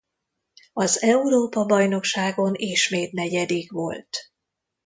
Az Európa-bajnokságon ismét negyedik volt.